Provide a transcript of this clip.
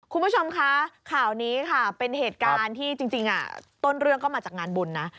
คุณผู้ชมคะข่าวนี้ค่ะเป็นเหตุการณ์ที่จริงต้นเรื่องก็มาจากงานบุญนะ